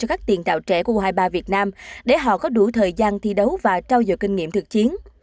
cho các tiền tạo trẻ của u hai mươi ba việt nam để họ có đủ thời gian thi đấu và trao dò kinh nghiệm thực chiến